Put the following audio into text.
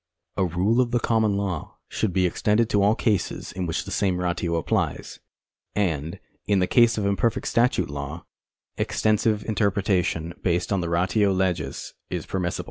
A rule of the common law should be extended to all cases to which the same ratio appUes, and in the case of imperfect statute law extensive 480 APPENDIX III interpretation based on tlie ratio legis is perniissiblo.